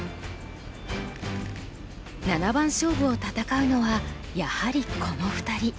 七番勝負を戦うのはやはりこの２人。